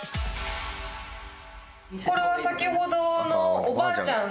これは先ほどのおばあちゃんが。